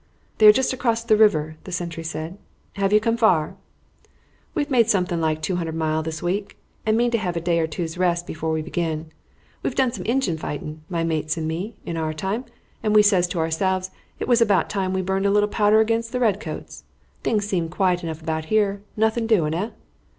"They are just across the river," the sentry said. "Have you come far?" "We've made something like two hundred mile this week, and mean to have a day or two's rest before we begin. We've done some Injun fighting, my mates and me, in our time, and we says to ourselves it was about time we burned a little powder against the redcoats. Things seem quiet enough about here. Nothing doing, eh?"